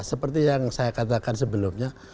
seperti yang saya katakan sebelumnya